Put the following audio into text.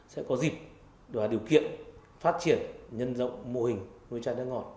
sẽ có dịp và điều kiện phát triển nhân rộng mô hình nuôi chai nước ngọt